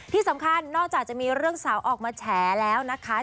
ที่สำคัญนอกจากจะมีเรื่องสาวออกมาแฉแล้วนะคะ